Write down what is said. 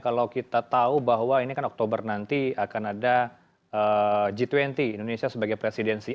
kalau kita tahu bahwa ini kan oktober nanti akan ada g dua puluh indonesia sebagai presidensi